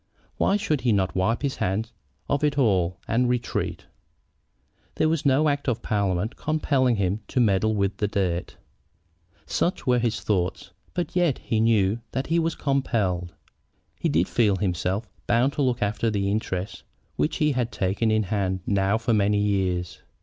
Why should he not wipe his hands of it all and retreat? There was no act of parliament compelling him to meddle with the dirt. Such were his thoughts. But yet he knew that he was compelled. He did feel himself bound to look after interests which he had taken in hand now for many years.